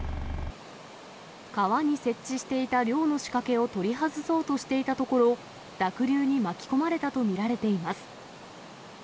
川に設置していた漁の仕掛けを取り外そうとしていたところ、濁流に巻き込まれたと見られています。